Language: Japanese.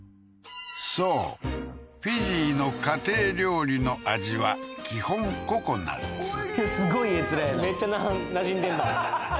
そうフィジーの家庭料理の味は基本ココナッツすごい画面やなめっちゃななじんでんなははは